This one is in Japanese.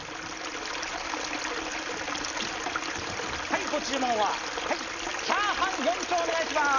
はいご注文ははいチャーハン４丁お願いします